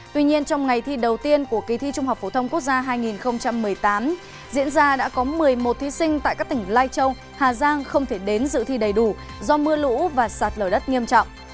tuy nhiên trong ngày thi đầu tiên của kỳ thi trung học phổ thông quốc gia hai nghìn một mươi tám diễn ra đã có một mươi một thí sinh tại các tỉnh lai châu hà giang không thể đến dự thi đầy đủ do mưa lũ và sạt lở đất nghiêm trọng